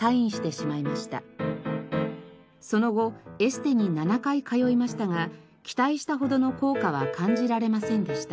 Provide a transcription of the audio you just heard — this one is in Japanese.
その後エステに７回通いましたが期待したほどの効果は感じられませんでした。